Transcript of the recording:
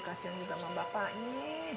kasihannya juga sama bapaknya